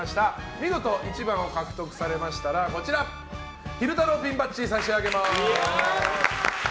見事１番を獲得されましたら昼太郎ピンバッジを差し上げます。